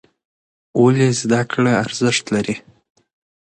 ولې زده کړه ارزښت لري؟